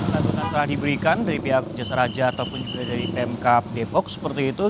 santunan telah diberikan dari pihak jasa raja ataupun juga dari pmk depok seperti itu